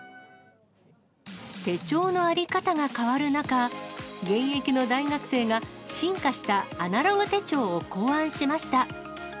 手帳の在り方が変わる中、現役の大学生が、進化したアナログ手帳を考案しました。